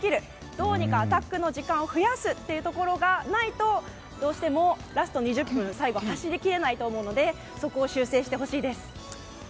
どうにかアタックの時間を増やすというところがないとどうしてもラスト２０分最後、走り切れないと思うのでそこを修正してほしいです。